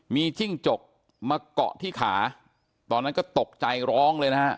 มีจิ้งจกมาเกาะที่ขาตอนนั้นก็ตกใจร้องเลยนะฮะ